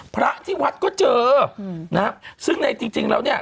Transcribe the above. พระที่วัดก็เจอนะฮะซึ่งในจริงแล้วเนี่ย